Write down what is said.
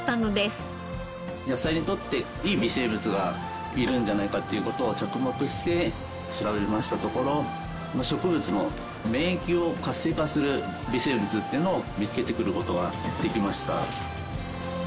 野菜にとっていい微生物がいるんじゃないかっていう事に着目して調べましたところ植物の免疫を活性化する微生物っていうのを見つけてくる事ができました。